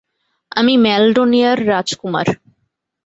আমি ম্যাল্ডোনিয়ার রাজকুমার।